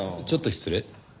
ちょっと失礼。